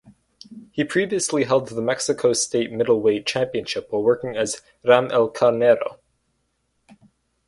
He previously held the Mexico State Middleweight Championship while working as Ram el Carnero.